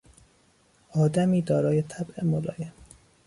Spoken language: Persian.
آدمی دارای طبع ملایم